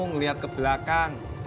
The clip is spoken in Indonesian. ngelihat ke belakang